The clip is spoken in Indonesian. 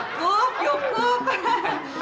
oh cukup cukup